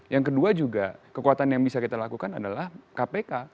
yang kedua juga kekuatan yang bisa kita lakukan adalah kpk